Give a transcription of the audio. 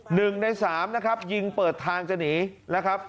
หนึ่งในสามนะครับยิงเปิดทางจะหนีนะครับ